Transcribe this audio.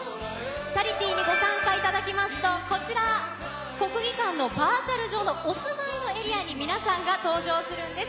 チャリティーにご参加いただきますと、こちら、国技館のバーチャル上のお住まいのエリアに皆さんが登場するんです。